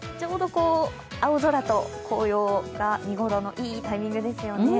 青空と紅葉が見頃の、いいタイミングですよね。